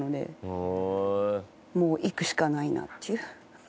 もういくしかないなっていう。